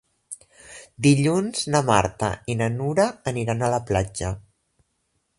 Dilluns na Marta i na Nura aniran a la platja.